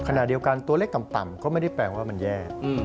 ขณะเดียวกันตัวเลขต่ำก็ไม่ได้แปลว่ามันแย่